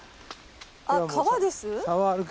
あっ川です？